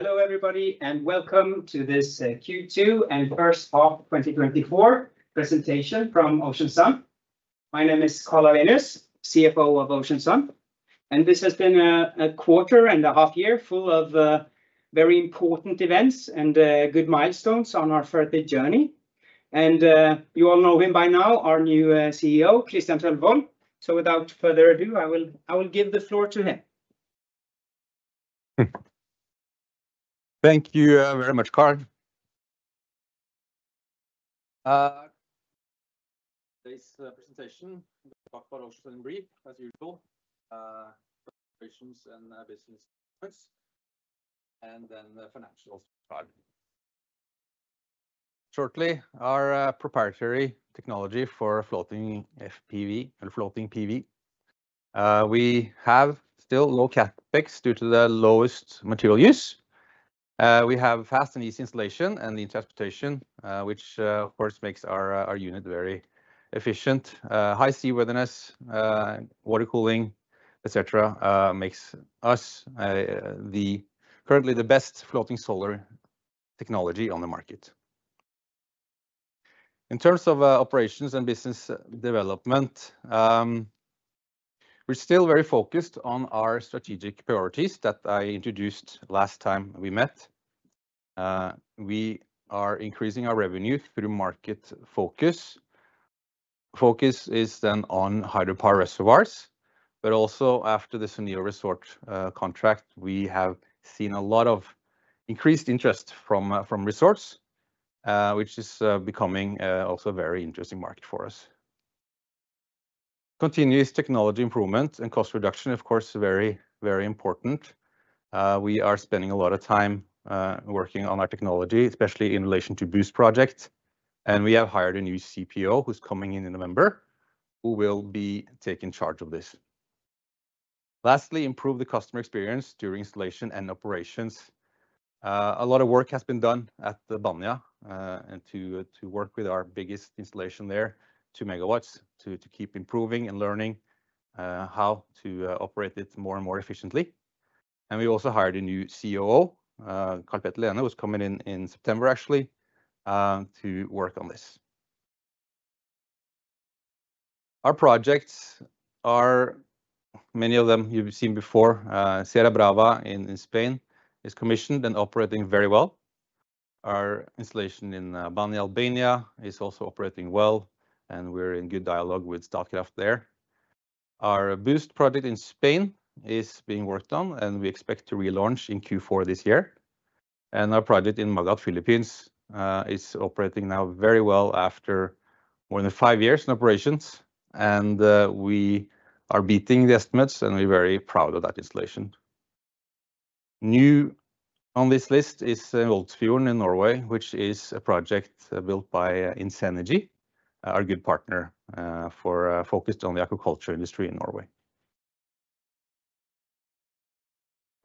Hello, everybody, and welcome to this Q2 and first half 2024 presentation from Ocean Sun. My name is Karl Lawenius, CFO of Ocean Sun, and this has been a quarter and a half year full of very important events and good milestones on our further journey. You all know him by now, our new CEO, Kristian Tørvold. So without further ado, I will give the floor to him. Thank you, very much, Karl. This presentation talk about Ocean in brief, as usual, operations and business updates, and then the financials side. Shortly, our proprietary technology for floating FPV and floating PV. We have still low CapEx due to the lowest material use. We have fast and easy installation and the transportation, which, of course, makes our unit very efficient. High seaworthiness, water cooling, et cetera, makes us currently the best floating solar technology on the market. In terms of operations and business development, we're still very focused on our strategic priorities that I introduced last time we met. We are increasing our revenue through market focus. Focus is then on hydropower reservoirs, but also after the Sun Siyam Resorts contract, we have seen a lot of increased interest from from resorts, which is becoming also a very interesting market for us. Continuous technology improvement and cost reduction, of course, very, very important. We are spending a lot of time working on our technology, especially in relation to BOOST project, and we have hired a new CPO who's coming in in November, who will be taking charge of this. Lastly, improve the customer experience during installation and operations. A lot of work has been done at the Banja, and to work with our biggest installation there, 2 MW, to keep improving and learning how to operate it more and more efficiently. We also hired a new COO, Carl Petter Lehne, who's coming in in September, actually, to work on this. Our projects are many of them you've seen before. Sierra Brava in Spain is commissioned and operating very well. Our installation in Banja, Albania is also operating well, and we're in good dialogue with Statkraft there. Our BOOST project in Spain is being worked on, and we expect to relaunch in Q4 this year. Our project in Magat, Philippines, is operating now very well after more than five years in operations, and we are beating the estimates, and we're very proud of that installation. New on this list is Valsfjord in Norway, which is a project built by Inseanergy, our good partner focused on the aquaculture industry in Norway.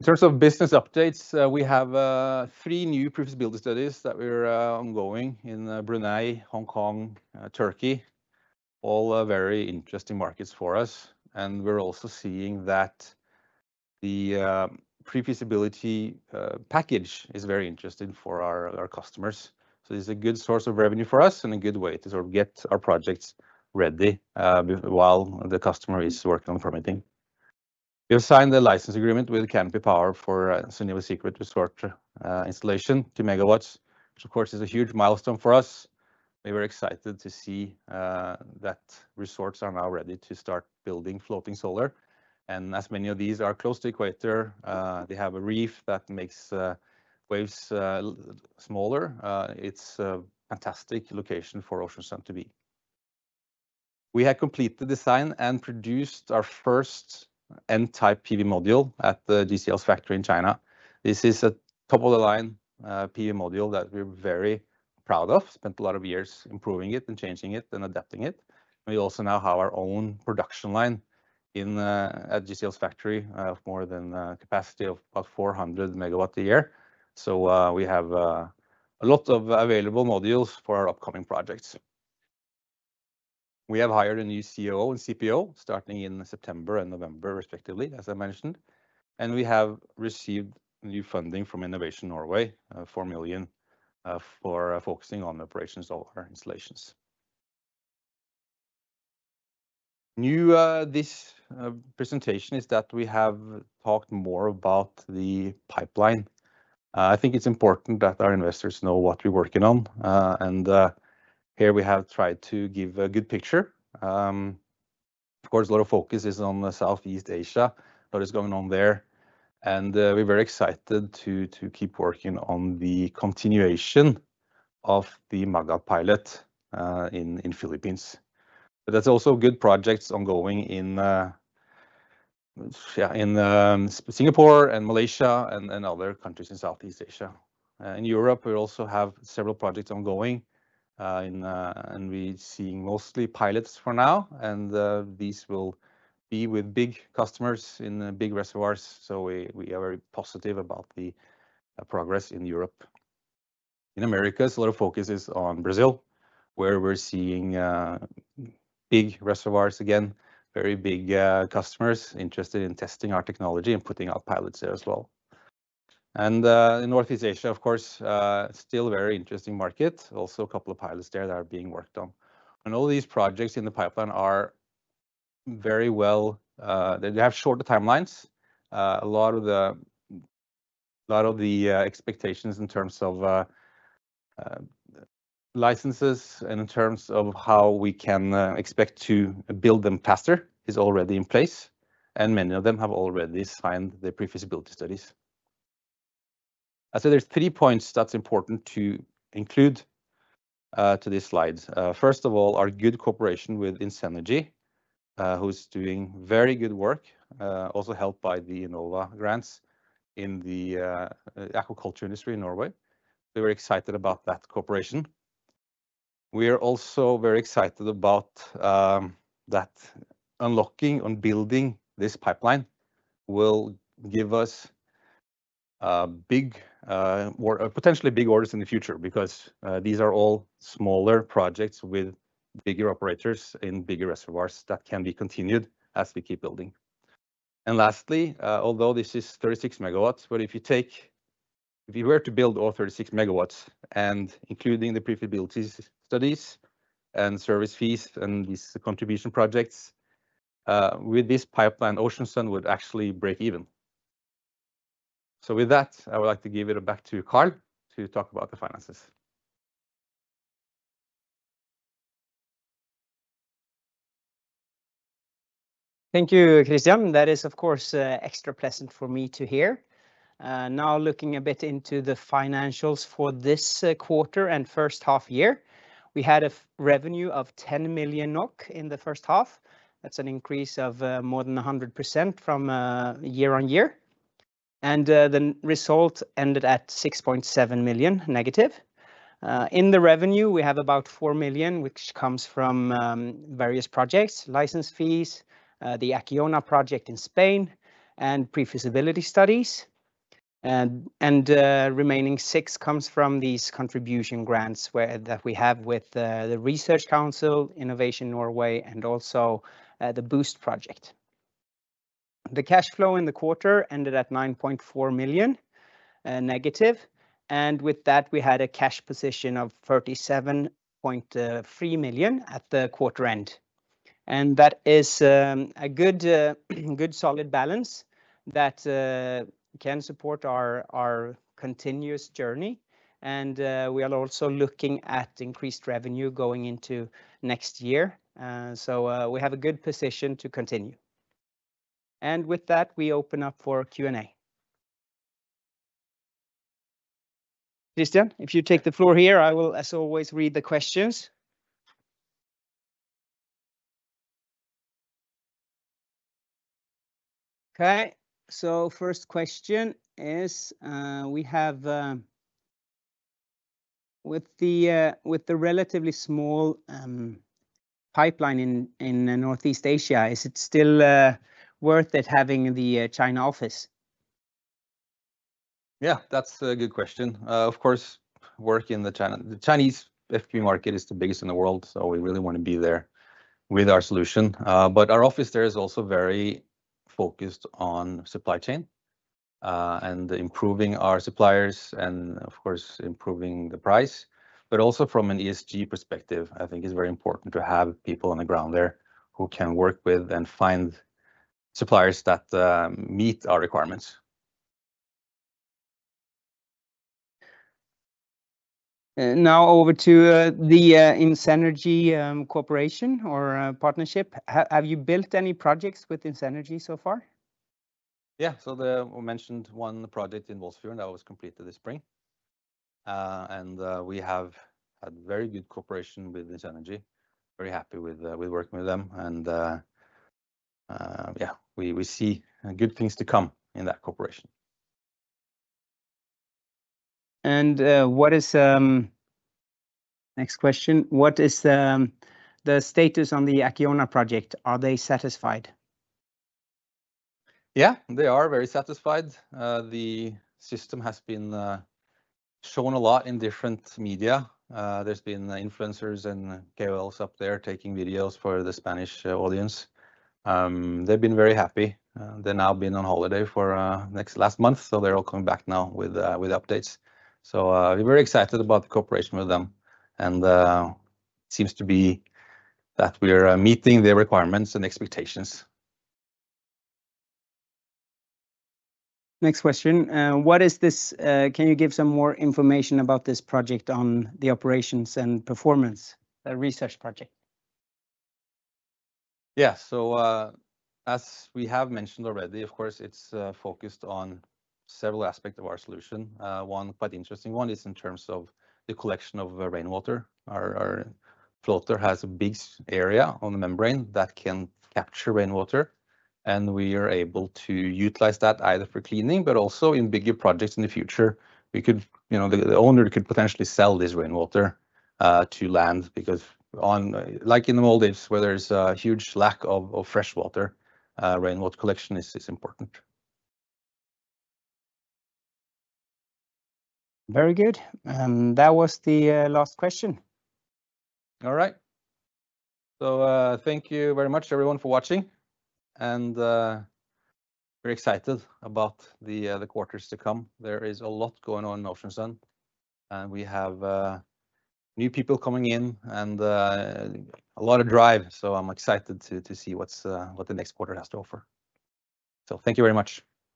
In terms of business updates, we have three new pre-feasibility studies that are ongoing in Brunei, Hong Kong, Turkey. All are very interesting markets for us, and we're also seeing that the pre-feasibility package is very interesting for our customers. So this is a good source of revenue for us and a good way to sort of get our projects ready while the customer is working on permitting. We have signed the license agreement with Canopy Power for Sun Siyam Resorts installation, 2 MW, which of course is a huge milestone for us. We were excited to see that resorts are now ready to start building floating solar, and as many of these are close to the equator, they have a reef that makes waves smaller. It's a fantastic location for Ocean Sun to be. We have completed the design and produced our first N-type PV module at the GCL's factory in China. This is a top-of-the-line, PV module that we're very proud of. Spent a lot of years improving it and changing it and adapting it. We also now have our own production line in, at GCL's factory, of more than a capacity of about 400 MW a year. So, we have, a lot of available modules for our upcoming projects. We have hired a new COO and CPO, starting in September and November, respectively, as I mentioned, and we have received new funding from Innovation Norway, 4 million, for focusing on operations of our installations. New, this, presentation is that we have talked more about the pipeline. I think it's important that our investors know what we're working on. Here, we have tried to give a good picture. Of course, a lot of focus is on the Southeast Asia, what is going on there, and we're very excited to keep working on the continuation of the Magat pilot in Philippines. But there's also good projects ongoing in Singapore and Malaysia and other countries in Southeast Asia. In Europe, we also have several projects ongoing, and we're seeing mostly pilots for now, and these will be with big customers in the big reservoirs, so we are very positive about the progress in Europe. In America, so a lot of focus is on Brazil, where we're seeing big reservoirs again, very big customers interested in testing our technology and putting out pilots there as well. In Northeast Asia, of course, still a very interesting market. Also, a couple of pilots there that are being worked on. All these projects in the pipeline are very well. They have shorter timelines, a lot of the expectations in terms of licenses and in terms of how we can expect to build them faster is already in place, and many of them have already signed the pre-feasibility studies. I'd say there are three points that are important to include to these slides. First of all, our good cooperation with Inseanergy, who's doing very good work, also helped by the Enova grants in the aquaculture industry in Norway. We're very excited about that cooperation. We are also very excited about that unlocking on building this pipeline will give us big or potentially big orders in the future because these are all smaller projects with bigger operators in bigger reservoirs that can be continued as we keep building. And lastly, although this is 36 MW, but if you were to build all 36 MW and including the pre-feasibility studies and service fees and these contribution projects with this pipeline, Ocean Sun would actually break even. So with that, I would like to give it back to Karl to talk about the finances. Thank you, Kristian. That is, of course, extra pleasant for me to hear. Now, looking a bit into the financials for this quarter and first half year, we had a revenue of 10 million NOK in the first half. That's an increase of more than 100% from year on year, and the result ended at 6.7 million negative. In the revenue, we have about 4 million, which comes from various projects, license fees, the Acciona project in Spain, and pre-feasibility studies. And remaining six comes from these contribution grants, where we have with the Research Council, Innovation Norway, and also the BOOST project. The cash flow in the quarter ended at -9.4 million, and with that, we had a cash position of 37.3 million at the quarter end. That is a good solid balance that can support our continuous journey, and we are also looking at increased revenue going into next year. We have a good position to continue. With that, we open up for Q&A. Kristian, if you take the floor here, I will, as always, read the questions. Okay, so first question is, with the relatively small pipeline in Northeast Asia, is it still worth it having the China office? Yeah, that's a good question. Of course, working in the China- the Chinese FP market is the biggest in the world, so we really wanna be there with our solution. But our office there is also very focused on supply chain, and improving our suppliers and of course, improving the price. But also from an ESG perspective, I think it's very important to have people on the ground there who can work with and find suppliers that meet our requirements. Now over to the Inseanergy cooperation or partnership. Have you built any projects with Inseanergy so far? We mentioned one project in Valsfjord, and that was completed this spring. And we have a very good cooperation with Inseanergy, very happy with working with them, and yeah, we see good things to come in that cooperation. Next question: What is the status on the Acciona project? Are they satisfied? Yeah, they are very satisfied. The system has been shown a lot in different media. There's been influencers and KOLs up there taking videos for the Spanish audience. They've been very happy. They've now been on holiday for next last month, so they're all coming back now with updates. We're very excited about the cooperation with them, and seems to be that we're meeting their requirements and expectations. Next question. What is this, can you give some more information about this project on the operations and performance, research project? Yeah. So, as we have mentioned already, of course, it's focused on several aspects of our solution. One quite interesting one is in terms of the collection of rainwater. Our floater has a big area on the membrane that can capture rainwater, and we are able to utilize that either for cleaning, but also in bigger projects in the future. We could, you know, the owner could potentially sell this rainwater to land, because on, like in the Maldives, where there's a huge lack of freshwater, rainwater collection is important. Very good. And that was the last question. All right, so thank you very much, everyone, for watching, and we're excited about the quarters to come. There is a lot going on in Ocean Sun, and we have new people coming in and a lot of drive, so I'm excited to see what the next quarter has to offer, so thank you very much.